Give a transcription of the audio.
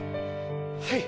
はい。